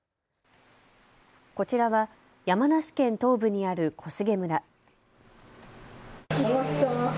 こちらは山梨県東部にある小菅村。